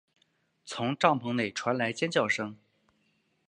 从帐篷内传来尖叫声